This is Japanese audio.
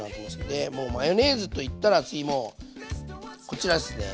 でマヨネーズといったら次もうこちらですね